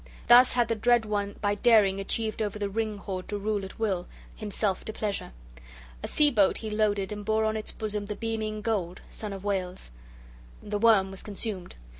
Thus had the dread one by daring achieved over the ring hoard to rule at will, himself to pleasure; a sea boat he loaded, and bore on its bosom the beaming gold, son of Waels; the worm was consumed.